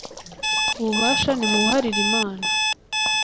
ububasha nimubuharire imana